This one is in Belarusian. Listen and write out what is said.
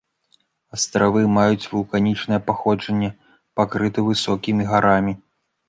Астравы маюць вулканічнае паходжанне, пакрыты высокімі гарамі.